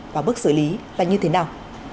quả bước xử lý là như thế nào